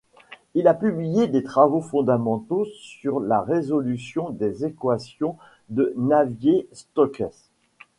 Il a publié des travaux fondamentaux sur la résolution des équations de Navier-Stokes.